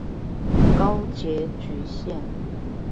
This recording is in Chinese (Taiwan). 高捷橘線